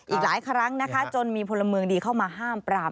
อีกหลายครั้งนะคะจนมีพลเมืองดีเข้ามาห้ามปราม